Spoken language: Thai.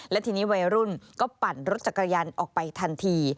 และทีนี้วัยรุ่นก็ปั่นรถจักรยานออกไปทันที